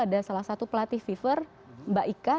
ada salah satu pelatih viver mbak ika